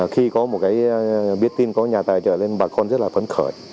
khi có một cái biết tin có nhà tài trợ lên bà con rất là phấn khởi